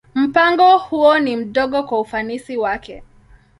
Mpango huo ni mdogo kwa ufanisi wake.